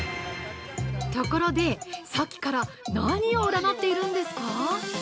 ところで、さっきから何を占っているんですか？